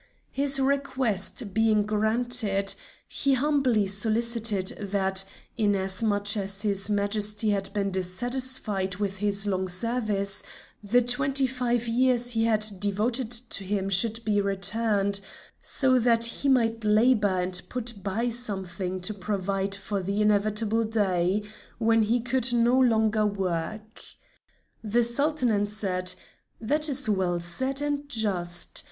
His request being granted, he humbly solicited, that, inasmuch as his Majesty had been dissatisfied with his long service, the twenty five years he had devoted to him should be returned, so that he might labor and put by something to provide for the inevitable day when he could no longer work. The Sultan answered: "That is well said and just.